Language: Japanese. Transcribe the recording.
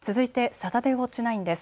サタデーウオッチ９です。